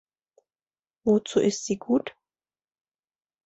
Wozu ist sie gut?